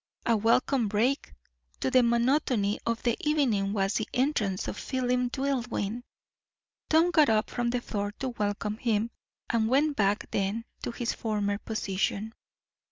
A welcome break to the monotony of the evening was the entrance of Philip Dillwyn. Tom got up from the floor to welcome him, and went back then to his former position.